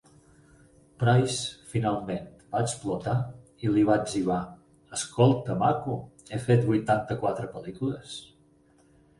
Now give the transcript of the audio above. Price finalment va explotar i li va etzibar: "Escolta, maco, he fet vuitanta-quatre pel·lícules".